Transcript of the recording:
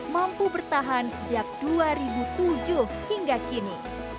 mampu bertahan sejak dua ribu tujuh hingga kini